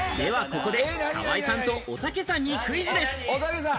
ではここで、河井さんとおたけさんにクイズです。